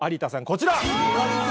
こちら。